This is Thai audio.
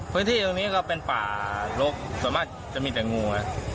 พื้นที่ตรงนี้ก็เป็นป่าลกส่วนมากจะมีแต่งูนะ